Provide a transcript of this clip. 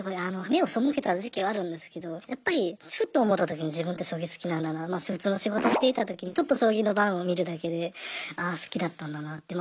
目を背けた時期はあるんですけどやっぱりふと思った時に自分って将棋好きなんだな普通の仕事をしていた時にちょっと将棋の盤を見るだけでああ好きだったんだなって。